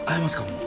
もう。